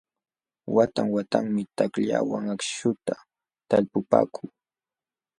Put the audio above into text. Watan watanmi takllawan akśhuta talpupaakuu.